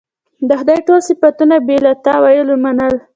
د خدای ټول صفتونه یې بې له تأویله منل.